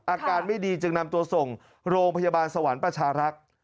อาการไม่ดีจึงนำตัวส่งโรงพยาบาลสวรรค์ประชารักษ์